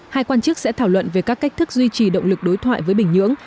hai quan chức sẽ thảo luận về các cách thức duy trì động lực đối thoại với bình nhưỡng